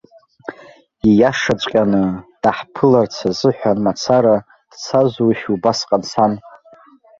Ииашаҵәҟьаны, даҳԥыларц азыҳәан мацара дцазушь убасҟан сан?